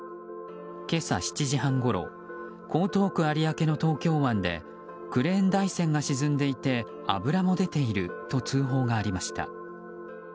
今朝７時半ごろ江東区有明の東京湾でクレーン台船が沈んでいて油も出ていると通報がありました。